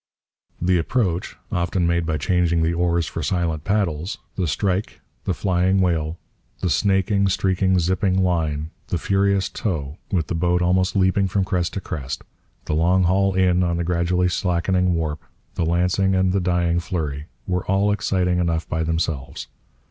The approach, often made by changing the oars for silent paddles; the strike; the flying whale; the snaking, streaking, zipping line; the furious tow, with the boat almost leaping from crest to crest; the long haul in on the gradually slackening warp; the lancing and the dying flurry, were all exciting enough by themselves.